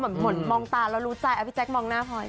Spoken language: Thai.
เหมือนมองตาแล้วรู้ใจพี่แจ๊คมองหน้าพลอย